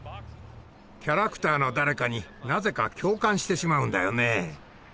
キャラクターの誰かになぜか共感してしまうんだよね。